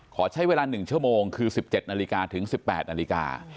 ขอใช้เวลา๑ชั่วโมงคือ๑๗นาฬิกาถึง๑๘นาฬิกา